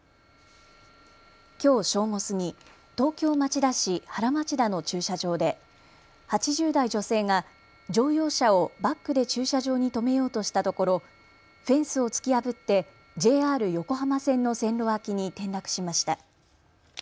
きょう正午過ぎ、東京町田市原町田の駐車場で８０代女性が乗用車をバックで駐車場に止めようとしたところフェンスを突き破ってＪＲ横浜線の線路脇に転落しました。